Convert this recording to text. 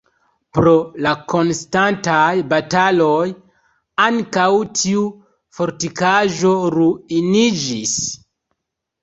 Pro la konstantaj bataloj ankaŭ tiu fortikaĵo ruiniĝis.